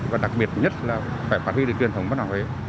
và đặc biệt nhất là phải phát triển được truyền thống của văn hóa huế